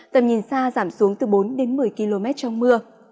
tầm nhìn xa giảm xuống từ bốn đến một mươi km trong mưa